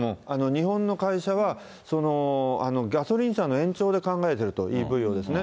日本の会社は、ガソリン車の延長で考えてると、ＥＶをですね。